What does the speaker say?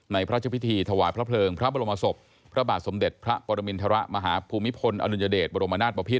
พระเจ้าพิธีถวายพระเพลิงพระบรมศพพระบาทสมเด็จพระปรมินทรมาฮภูมิพลอดุลยเดชบรมนาศบพิษ